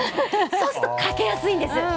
そうすると、かけやすいんです。